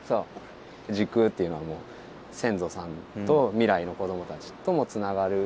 時空っていうのは先祖さんと未来の子どもたちともつながる。